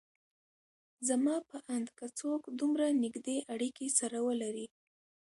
زما په اند که څوک دومره نيږدې اړکې سره ولري